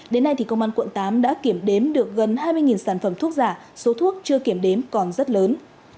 đến nay thì công an quận tám đã kiểm đếm được gần hai mươi sản phẩm thuốc giả số thuốc chưa kiểm đếm còn rất lớn